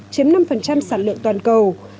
chiếm năm sản lượng toàn cầu